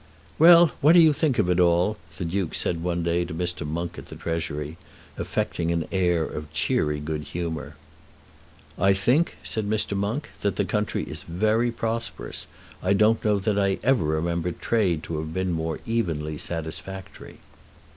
"Well; what do you think of it all?" the Duke said one day to Mr. Monk, at the Treasury, affecting an air of cheery good humour. "I think," said Mr. Monk, "that the country is very prosperous. I don't know that I ever remember trade to have been more evenly satisfactory."